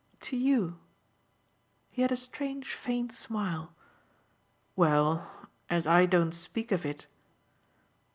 "To YOU." He had a strange faint smile. "Well, as I don't speak of it